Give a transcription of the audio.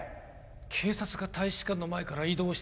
「警察が大使館の前から移動してます」